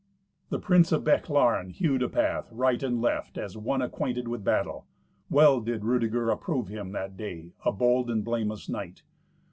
The prince of Bechlaren hewed a path right and left, as one acquainted with battle. Well did Rudeger approve him that day a bold and blameless knight.